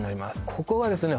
ここがですね